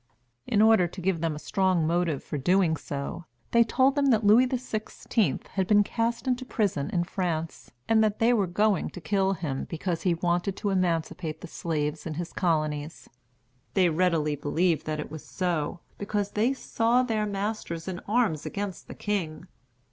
In order to give them a strong motive for doing so, they told them that Louis XVI. had been cast into prison in France, and that they were going to kill him, because he wanted to emancipate the slaves in his colonies. They readily believed that it was so, because they saw their masters in arms against the king.